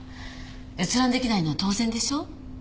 閲覧できないのは当然でしょう？